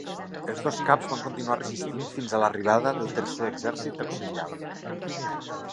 Els dos caps van continuar resistint fins a l'arribada del tercer exèrcit auxiliar.